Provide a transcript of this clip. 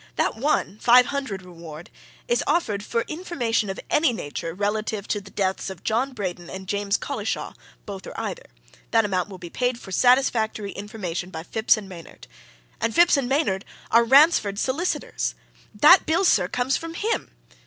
that one five hundred reward is offered for information of any nature relative to the deaths of John Braden and James Collishaw, both or either. That amount will be paid for satisfactory information by Phipps & Maynard. And Phipps & Maynard are Ransford's solicitors! That bill, sir, comes from him!